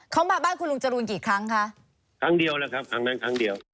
เขามาบ้านคุณลุงจรูนกี่ครั้งคะครั้งเดียวแล้วครับครั้งนั้นครั้งเดียว